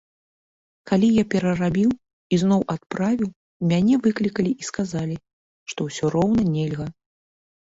Калі я перарабіў і зноў адправіў, мяне выклікалі і сказалі, што ўсё роўна нельга.